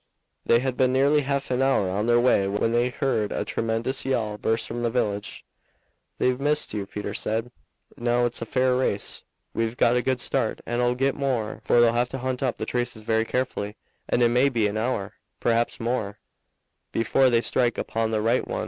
They had been nearly half an hour on their way when they heard a tremendous yell burst from the village. "They've missed you," Peter said. "Now it's a fair race. We've got a good start and 'll git more, for they'll have to hunt up the traces very carefully, and it may be an hour, perhaps more, before they strike upon the right one.